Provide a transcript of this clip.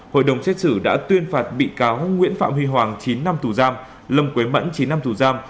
hội đồng xét xử đã tuyên phạt bị cáo nguyễn phạm huy hoàng chín năm tù giam lâm quế mẫn chín năm tù giam